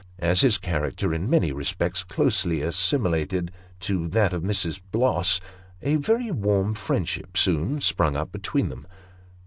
As his character in many respects closely assimilated to that of Mrs. Bloss, a very warm friendship soon sprung up between them.